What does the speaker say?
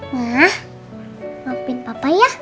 nah maafin papa ya